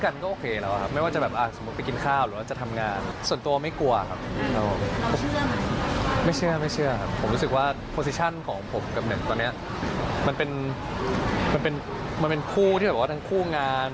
กับเด็กตอนนี้มันเป็นคู่ที่บอกว่าทั้งคู่งาน